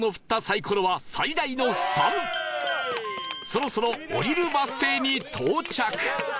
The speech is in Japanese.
そろそろ降りるバス停に到着